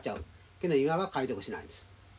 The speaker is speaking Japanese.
けど今は解読しないです。